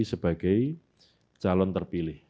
jadi sebagai calon terpilih